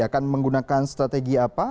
akan menggunakan strategi apa